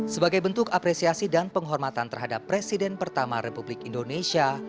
sebagai bentuk apresiasi dan penghormatan terhadap presiden pertama republik indonesia